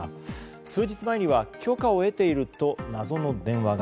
数日前には許可を得ていると謎の電話が。